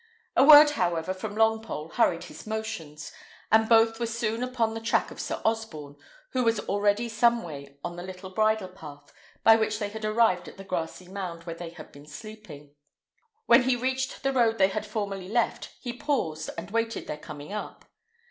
A word, however, from Longpole hurried his motions, and both were soon upon the track of Sir Osborne, who was already some way on the little bridle path by which they had arrived at the grassy mound where they had been sleeping. When he reached the road they had formerly left, he paused, and waited their coming up.